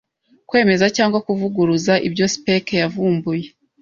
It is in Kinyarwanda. kwemeza cyangwa kuvuguruza ibyo Speke yavumbuye